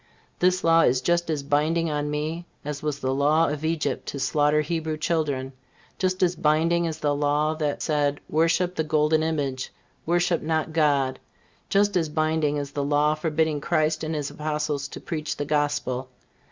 This law is just as binding on me as was the law of Egypt to slaughter Hebrew children; just as binding as the law that said, Worship the golden image, worship not God; just as binding as the law forbidding Christ and his Apostles to preach the Gospel.